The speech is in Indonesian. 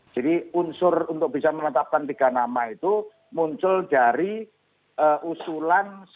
jadi unsur untuk bisa menetapkan tiga nama itu muncul dari usulan sembilan puluh enam